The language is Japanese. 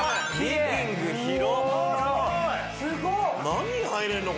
何人入れんの？